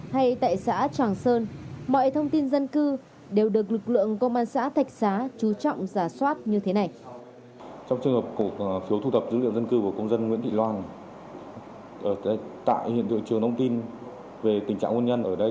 hay tại xã tràng sơn mọi thông tin dân cư đều được lực lượng công an xã thạch xá chú trọng giả soát như thế này